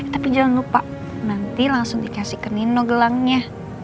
tapi jangan lupa nanti langsung dikasih ke nino gelangnya